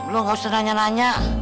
lu enggak usah nanya nanya